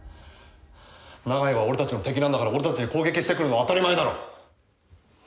長屋は俺たちの敵なんだから俺たちに攻撃してくるのは当たり前だろ。